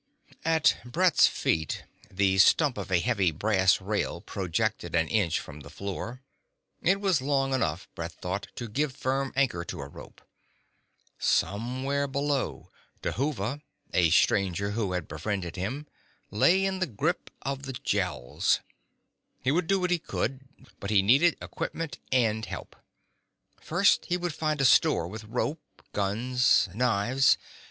At Brett's feet the stump of a heavy brass rail projected an inch from the floor. It was long enough, Brett thought, to give firm anchor to a rope. Somewhere below, Dhuva a stranger who had befriended him lay in the grip of the Gels. He would do what he could but he needed equipment and help. First he would find a store with rope, guns, knives.